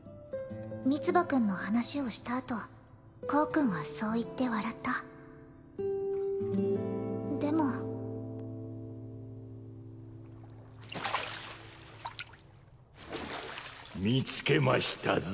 ミツバくんの話をしたあと光くんはそう言って笑ったでも見つけましたぞ